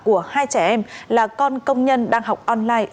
của hai trẻ em là con công nhân đang học online